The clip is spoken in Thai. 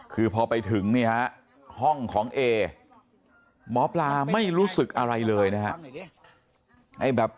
คือพอไปถึงเนี่ยฮะห้องของเอหมอปลาไม่รู้สึกอะไรเลยนะครับ